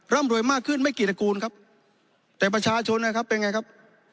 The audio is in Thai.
ร่ำรวยมากขึ้นไม่กี่ตระกูลครับแต่ประชาชนนะครับเป็นไงครับ